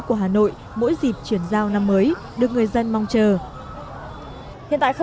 của hà nội mỗi dịp chuyển giao năm mới được người dân mong chờ